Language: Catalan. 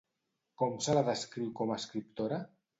Com se la descriu com a escriptora?